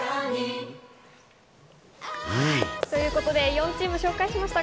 ４チーム紹介しました。